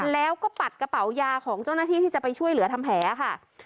แล้วก็ปัดกระเป๋ายาของเจ้าหน้าที่ที่จะไปช่วยเหลือทำแผลค่ะ